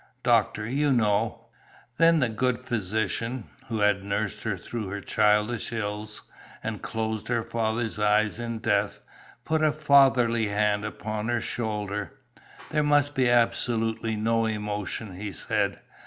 "Doctor, you know!" Then the good physician, who had nursed her through her childish ills, and closed her father's eyes in death, put a fatherly hand upon her shoulder. "There must be absolutely no emotion," he said.